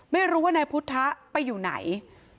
ไม่รู้ว่านายพุทธะไปอยู่ไหน